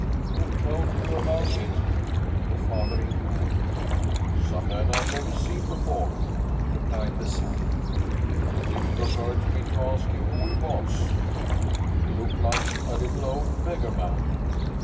"Who told you about it?" the father inquired. "Some man I've never seen before," replied the son. "It didn't occur to me to ask him who he was. He looked like a little old beggarman."